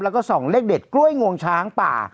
แล้วก็ส่องเลขเด็ดกล้วยงวงช้างป่า